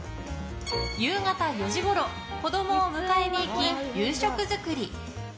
夕方４時ごろ子供を迎えに行き、夕食作り。